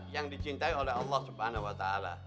yang dicintai oleh allah swt